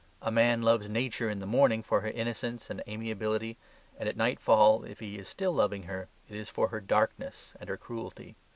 A man loves Nature in the morning for her innocence and amiability, and at nightfall, if he is loving her still, it is for her darkness and her cruelty.